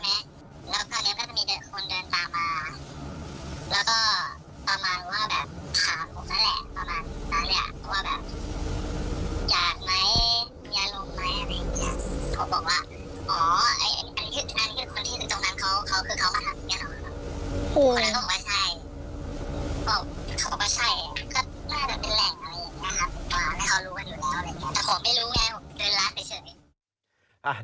แต่ผมไม่รู้ไงผมเดินละไปเฉย